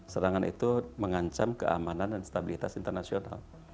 serangan itu mengancam keamanan dan stabilitas internasional